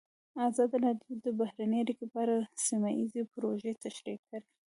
ازادي راډیو د بهرنۍ اړیکې په اړه سیمه ییزې پروژې تشریح کړې.